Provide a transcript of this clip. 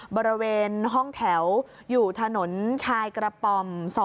บริเวณห้องแถวอยู่ถนนชายกระป๋อม๒